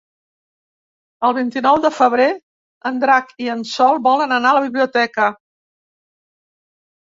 El vint-i-nou de febrer en Drac i en Sol volen anar a la biblioteca.